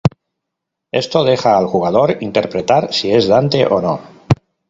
Esto deja al jugador interpretar si es Dante o no.